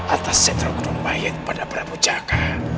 atas setra gunung bayit pada prabu jaka